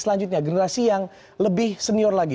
selanjutnya generasi yang lebih senior lagi